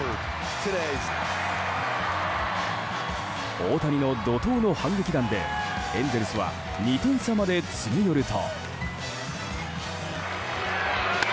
大谷の怒涛の反撃弾でエンゼルスは２点差まで詰め寄ると。